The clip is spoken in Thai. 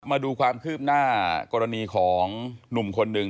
มาดูความคืบหน้ากรณีของหนุ่มคนหนึ่ง